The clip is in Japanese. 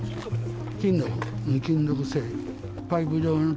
金属、金属製。